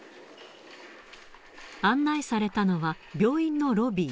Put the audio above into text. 案内されたのは、病院のロビー。